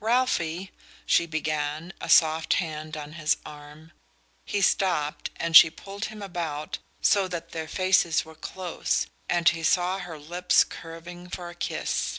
"Ralphie " she began, a soft hand on his arm. He stopped, and she pulled him about so that their faces were close, and he saw her lips curving for a kiss.